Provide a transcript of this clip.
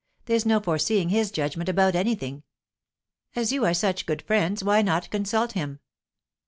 There's no foreseeing his judgment about anything. As you are such good friends, why not consult him?"